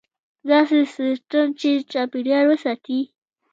داسې سیستم چې چاپیریال وساتي.